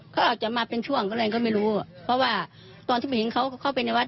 เขาอาจจะมาเป็นช่วงก็เลยก็ไม่รู้เพราะว่าตอนที่มาเห็นเขาเข้าไปในวัด